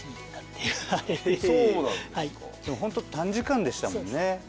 ホント短時間でしたもんね。